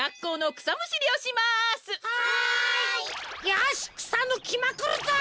よしくさぬきまくるぞ！